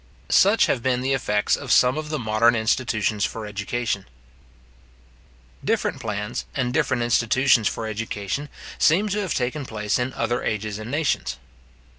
Such have been the effects of some of the modern institutions for education. Different plans and different institutions for education seem to have taken place in other ages and nations.